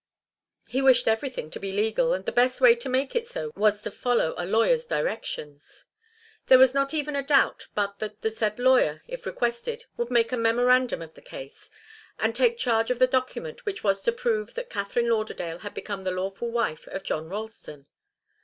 He wished everything to be legal, and the best way to make it so was to follow a lawyer's directions. There was not even a doubt but that the said lawyer, if requested, would make a memorandum of the case, and take charge of the document which was to prove that Katharine Lauderdale had become the lawful wife of John Ralston.